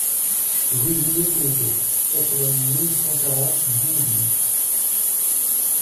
Rue Juliette Ménéteau, quatre-vingt-huit mille cent quarante Bulgnéville